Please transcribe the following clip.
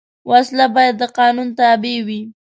وسله باید د قانون تابع وي